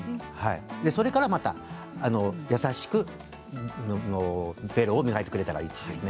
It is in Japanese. それからまた優しくベロを磨いてくれたらいいですね。